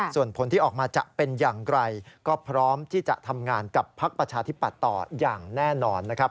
ส่วนผลที่ออกมาจะเป็นอย่างไรก็พร้อมที่จะทำงานกับพักประชาธิปัตย์ต่ออย่างแน่นอนนะครับ